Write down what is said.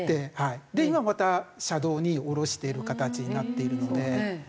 で今また車道に下ろしてる形になっているので。